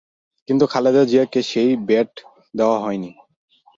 কিন্তু খালেদা জিয়াকে সেই বেড দেওয়া হয়নি।